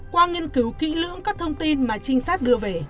qua nghiên cứu kỹ lưỡng các thông tin mà trinh sát đưa về